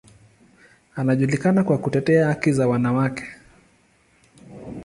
Anajulikana kwa kutetea haki za wanawake.